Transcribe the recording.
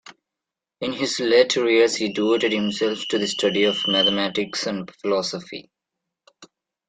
In his later years he devoted himself to the study of mathematics and philosophy.